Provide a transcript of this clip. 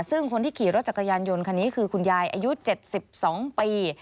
ซึ่งคนที่ขี่รถจักรยานยนต์คันนี้คือคุณยายอายุ๗๒ปี